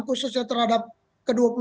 khususnya terhadap ke dua puluh